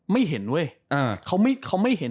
ไม่เห็นเว้ยเขาไม่เห็น